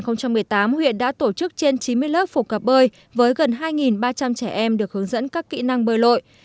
năm hai nghìn một mươi tám huyện đã tổ chức trên chín mươi lớp phổ cập bơi với gần hai ba trăm linh trẻ em được hướng dẫn các kỹ năng bơi lội